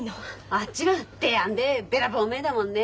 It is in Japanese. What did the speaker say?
あっちは「てやんでえ」「べらぼうめえ」だもんね。